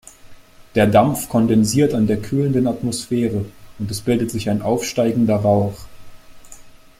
Der Dampf kondensiert an der kühlenden Atmosphäre, und es bildet sich ein aufsteigender Rauch.